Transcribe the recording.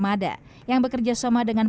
jadi kita harus berjalan lancar